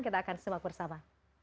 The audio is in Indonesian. kita akan simak bersama